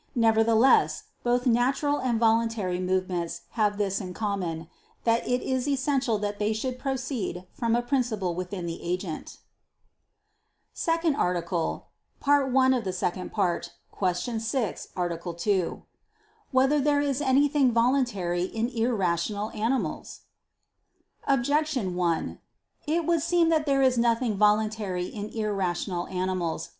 Nevertheless both natural and voluntary movements have this in common, that it is essential that they should proceed from a principle within the agent. ________________________ SECOND ARTICLE [I II, Q. 6, Art. 2] Whether There Is Anything Voluntary in Irrational Animals? Objection 1: It would seem that there is nothing voluntary in irrational animals.